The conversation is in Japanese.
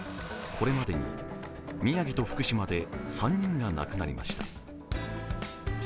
これまでに宮城と福島で３人が亡くなりました。